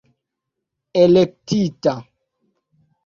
elektita